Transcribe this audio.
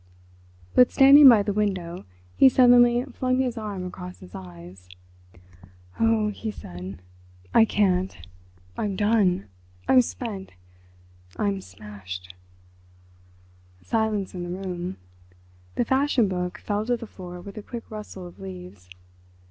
But, standing by the window, he suddenly flung his arm across his eyes. "Oh," he said, "I can't. I'm done—I'm spent—I'm smashed." Silence in the room. The fashion book fell to the floor with a quick rustle of leaves.